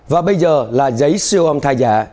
và bây giờ là giấy siêu âm thai giả